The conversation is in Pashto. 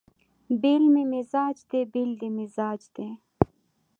بېل مې مزاج دی بېل دې مزاج دی